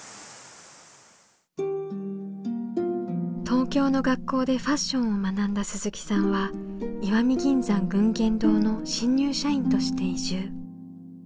東京の学校でファッションを学んだ鈴木さんは石見銀山群言堂の新入社員として移住。